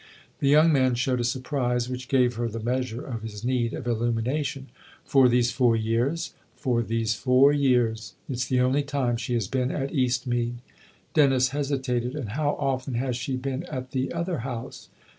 The young man showed a surprise which gave her the measure of his need of illumination. " For these four years ?"" For these four years. It's the only time she has been at Eastmead." Dennis hesitated. " And how often has she been at the other house